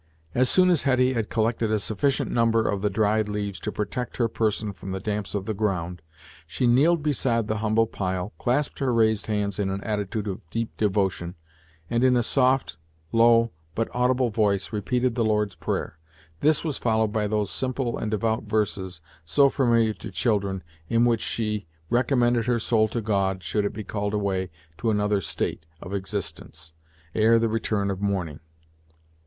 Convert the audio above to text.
As soon as Hetty had collected a sufficient number of the dried leaves to protect her person from the damps of the ground, she kneeled beside the humble pile, clasped her raised hands in an attitude of deep devotion, and in a soft, low, but audible voice repeated the Lord's Prayer. This was followed by those simple and devout verses, so familiar to children, in which she recommended her soul to God, should it be called away to another state of existence, ere the return of morning.